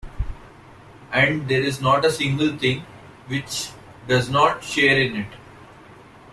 And there is not a single thing which does not share in it.